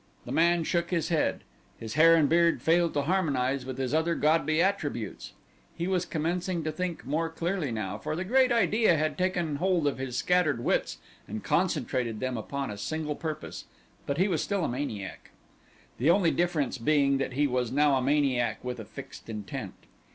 The man shook his head. His hair and beard failed to harmonize with his other godly attributes. He was commencing to think more clearly now, for the great idea had taken hold of his scattered wits and concentrated them upon a single purpose, but he was still a maniac. The only difference being that he was now a maniac with a fixed intent.